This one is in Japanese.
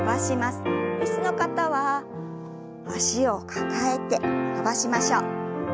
椅子の方は脚を抱えて伸ばしましょう。